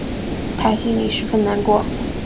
她心里十分难过